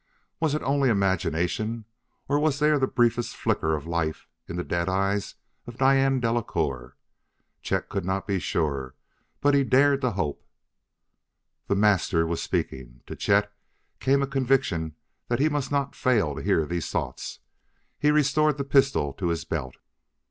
Was it only imagination, or was there the briefest flicker of life in the dead eyes of Diane Delacouer? Chet could not be sure, but he dared to hope. The "Master" was speaking. To Chet came a conviction that he must not fail to hear these thoughts. He restored the pistol to his belt.